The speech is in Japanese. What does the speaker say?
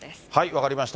分かりました。